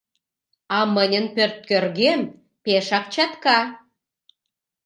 А мыньын пӧрткӧргем пешак чатка.